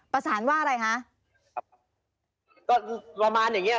ประสานว่าอะไรคะ